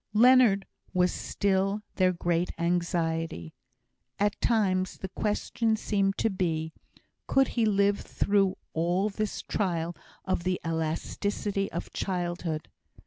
Leonard was still their great anxiety. At times the question seemed to be, could he live through all this trial of the elasticity of childhood?